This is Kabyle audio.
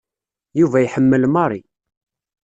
Yuba iḥemmel Mary.